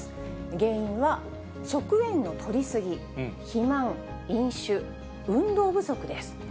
原因は食塩のとり過ぎ、肥満、飲酒、運動不足です。